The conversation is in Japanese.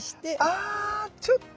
あちょっと。